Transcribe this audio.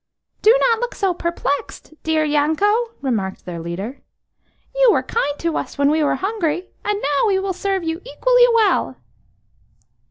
"Do not look so perplexed, dear Yanko," remarked their leader. "You were kind to us when we were hungry, and now we will serve you equally well."